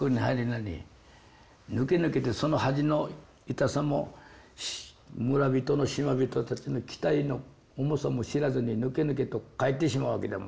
ぬけぬけとその恥の痛さも村人の島人たちの期待の重さも知らずにぬけぬけと帰ってしまうわけだ。